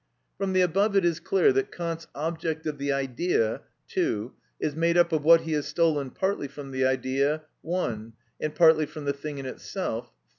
From the above it is clear that Kant's "object of the idea" (2) is made up of what he has stolen partly from the idea (1), and partly from the thing in itself (3).